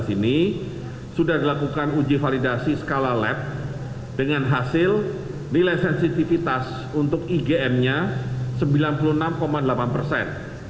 dua ribu sembilan belas ini sudah dilakukan uji validasi skala lab dengan hasil nilai sensitivitas untuk igm nya sembilan puluh enam delapan persen